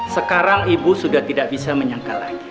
sekarang ibu sudah tidak bisa menyangka lagi